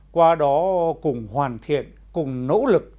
qua đó cùng hoàn thiện cùng nỗ lực